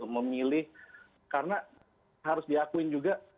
memilih karena harus diakuin juga